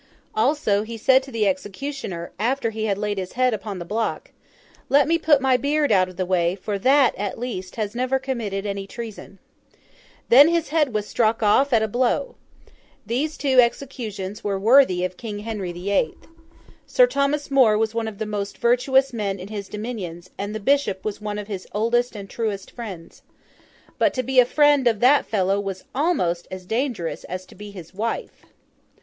Also he said to the executioner, after he had laid his head upon the block, 'Let me put my beard out of the way; for that, at least, has never committed any treason.' Then his head was struck off at a blow. These two executions were worthy of King Henry the Eighth. Sir Thomas More was one of the most virtuous men in his dominions, and the Bishop was one of his oldest and truest friends. But to be a friend of that fellow was almost as dangerous as to be his wife.